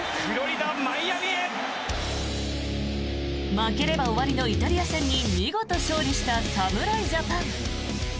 負ければ終わりのイタリア戦に見事勝利した侍ジャパン。